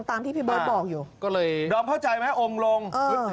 ดอมเข้าใจไหมองลง